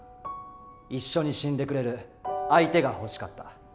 一緒に死んでくれる相手が欲しかった？